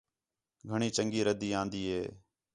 گھݨی چَنڳی ردّی آن٘دی ہِے